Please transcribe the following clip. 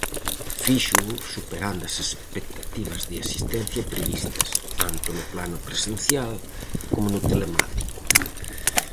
Fíxoo superando as expectativas de asistencia previstas, tanto no plano presencial como no telemático.